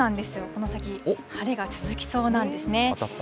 この先、晴れが続きそうなんですね。